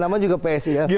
namanya juga psi ya